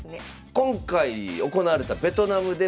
今回行われたベトナムでもですね